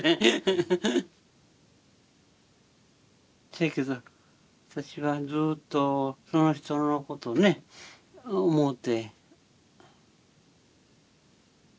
せやけど私はずっとその人のことね想うて。